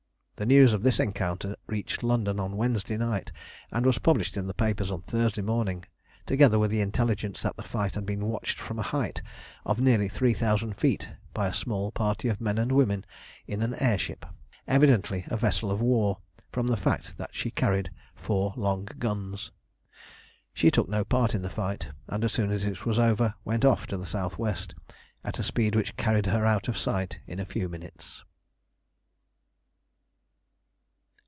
The news of this encounter reached London on Wednesday night, and was published in the papers on Thursday morning, together with the intelligence that the fight had been watched from a height of nearly three thousand feet by a small party of men and women in an air ship, evidently a vessel of war, from the fact that she carried four long guns. She took no part in the fight, and as soon as it was over went off to the south west at a speed which carried her out of sight in a few minutes.